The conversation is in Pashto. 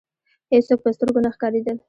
هېڅوک په سترګو نه ښکاریدل.